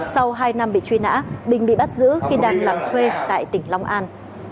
sau hai năm bị truy nã bình bị bắt giữ khi đang làm thuê tại tỉnh long an